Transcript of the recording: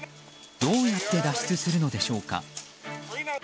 どうやって脱出するのでしょうか。